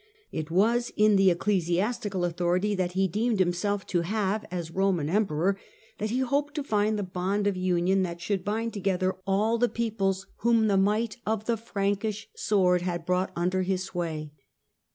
It was in the ecclesiastical authority that he deemed himself to have as Roman Emperor that he hoped to find the bond of union that should bind together all the peoples whom the might of the Frankish sword had brought under his sway.